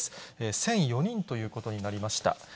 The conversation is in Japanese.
１００４人ということになりました。